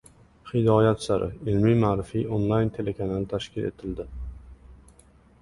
«Hidoyat sari» ilmiy-ma’rifiy onlayn telekanali tashkil etildi